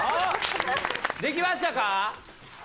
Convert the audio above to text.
できましたか？